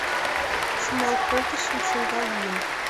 Чумал колтышым — чоҥга лийын.